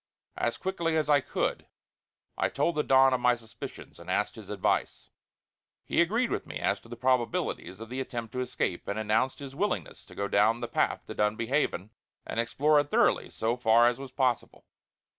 As quickly as I could, I told the Don of my suspicions; and asked his advice. He agreed with me as to the probabilities of the attempt to escape, and announced his willingness to go down the path to Dunbuy Haven and explore it thoroughly so far as was possible.